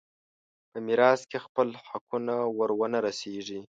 په میراث کې خپل حقونه ور ونه رسېږي.